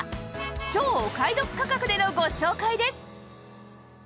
超お買い得価格でのご紹介です！